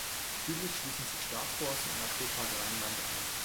Südlich schließen sich Staatsforst und Naturpark Rheinland an.